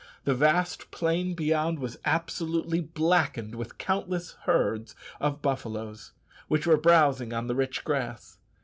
The vast plain beyond was absolutely blackened with countless herds of buffaloes, which were browsing on the rich grass.